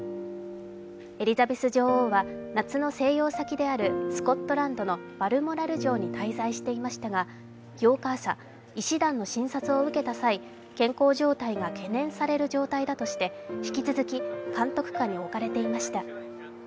エリザベス女王は夏の静養先であるスコットランドのバルモラル城に滞在していましたが、８日朝、医師団の診察を受けた際、健康状態が懸念される状態だとして引き続き監督下に置かれていました。